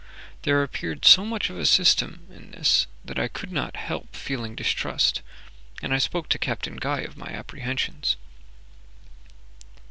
There appeared so much of system in this that I could not help feeling distrust, and I spoke to Captain Guy of my apprehensions.